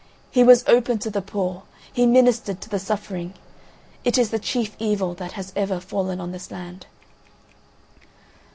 He was open to the poor; he ministered to the suffering. It is the chief evil that has ever fallen on this land."